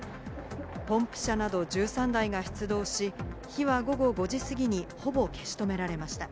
ポンプ車など１３台が出動し、火は午後５時過ぎにほぼ消し止められました。